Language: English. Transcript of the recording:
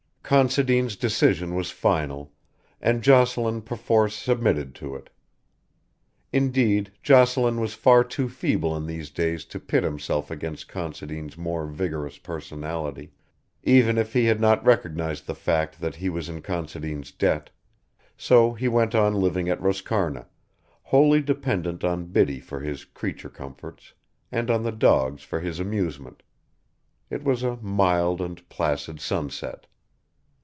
Considine's decision was final, and Jocelyn perforce submitted to it. Indeed, Jocelyn was far too feeble in these days to pit himself against Considine's more vigorous personality, even if he had not recognised the fact that he was in Considine's debt; so he went on living at Roscarna, wholly dependent on Biddy for his creature comforts, and on the dogs for his amusement. It was a mild and placid sunset.